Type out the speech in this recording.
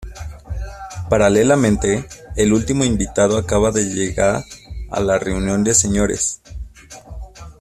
Paralelamente, el último invitado acaba de llega a le reunión de Señores.